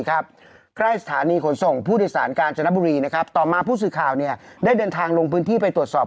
ใกล้สถานีขนส่งผู้โดยสารกาญจนบุรีต่อมาผู้สื่อข่าวได้เดินทางลงพื้นที่ไปตรวจสอบ